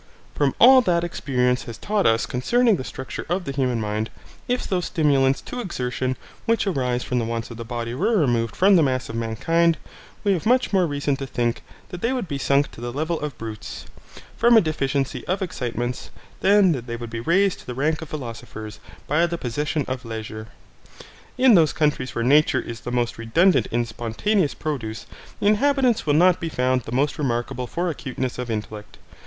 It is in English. From all that experience has taught us concerning the structure of the human mind, if those stimulants to exertion which arise from the wants of the body were removed from the mass of mankind, we have much more reason to think that they would be sunk to the level of brutes, from a deficiency of excitements, than that they would be raised to the rank of philosophers by the possession of leisure. In those countries where nature is the most redundant in spontaneous produce the inhabitants will not be found the most remarkable for acuteness of intellect.